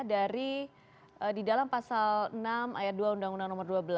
dari di dalam pasal enam ayat dua undang undang nomor dua belas